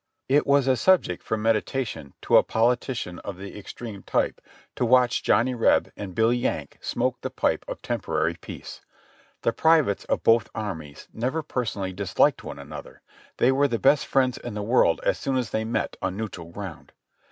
It was a subject for meditation to a politician of the extreme type to watch Johnny Reb and Billy Yank smoke the pipe of tem porary peace. The privates of both armies never personally dis liked one another; they were the best friends in the world as soon as they met on neutral ground.